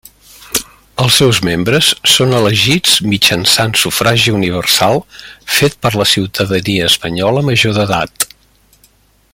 Els seus membres són elegits mitjançant sufragi universal fet per la ciutadania espanyola major d'edat.